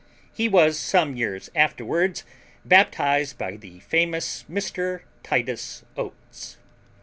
He was some years afterwards baptized by the famous Mr. Titus Oates.